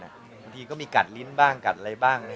บางทีก็มีกัดลิ้นบ้างกัดอะไรบ้าง